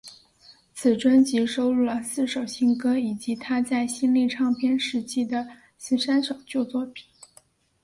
此专辑收录了四首新歌以及她在新力唱片时期的十三首旧作品。